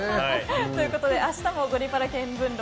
明日も「ゴリパラ見聞録」